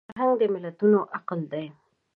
فرهنګ د ملتونو عقل دی